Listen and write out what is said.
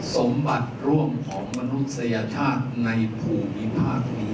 สมบัติร่วมของมนุษยชาติในภูมิภาคนี้